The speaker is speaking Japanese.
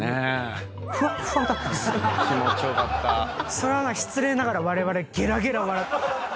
それは失礼ながらわれわれゲラゲラ笑って。